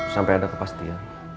sampai ada kepastian